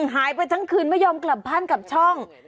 หายไปทั้งคืนไม่ยอมกลับบ้านกลับช่อง